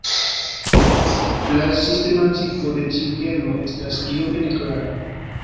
La sistematiko de tiu genro estas iome neklara.